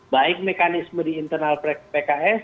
baik mekanisme di internal pks